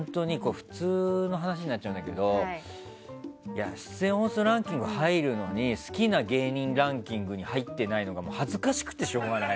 普通の話になっちゃうんだけど出演本数ランキングに入るのに好きな芸人ランキングに入ってないのが恥ずかしくてしょうがない。